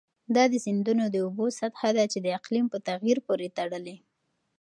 دا د سیندونو د اوبو سطحه ده چې د اقلیم په تغیر پورې تړلې.